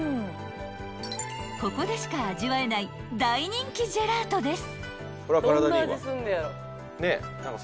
［ここでしか味わえない大人気ジェラートです］